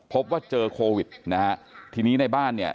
พบว่าเจอโควิดนะฮะทีนี้ในบ้านเนี่ย